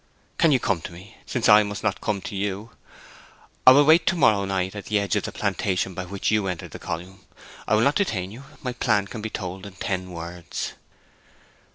'Can you come to me, since I must not come to you? I will wait to morrow night at the edge of the plantation by which you would enter to the column. I will not detain you; my plan can be told in ten words.'